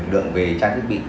lượng về trang thức bị